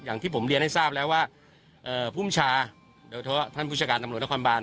อย่างที่ผมเรียนให้ทราบแล้วว่าภูมิชาโดยเฉพาะท่านผู้จัดการตำรวจนครบาน